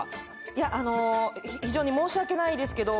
いやあの非常に申し訳ないですけど。